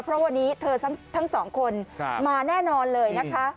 เพราะวันนี้เธอทั้งสองคนมาแน่นอนเลยนะคะ